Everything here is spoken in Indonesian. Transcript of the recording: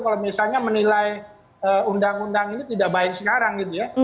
kalau misalnya menilai undang undang ini tidak baik sekarang gitu ya